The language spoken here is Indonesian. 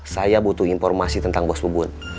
saya butuh informasi tentang bos lubun